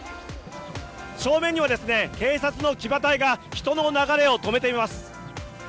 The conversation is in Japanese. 正面には警察の騎馬隊が人の流れを止めています。